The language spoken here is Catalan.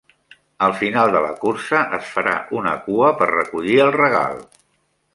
Al final de la cursa es farà una cua per recollir el regal.